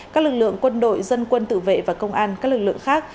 các lực lượng quân đội dân quân tự vệ và công an các lực lượng khác